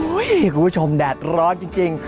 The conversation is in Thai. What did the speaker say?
โอ้โฮคุณผู้ชมแดดร้อนจริง